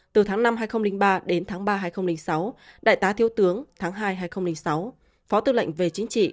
từ tháng năm hai nghìn ba đến tháng ba hai nghìn sáu đại tá thiếu tướng tháng hai hai nghìn sáu phó tư lệnh về chính trị